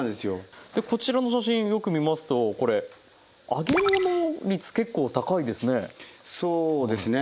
こちらの写真よく見ますとこれ揚げ物率結構高いですね。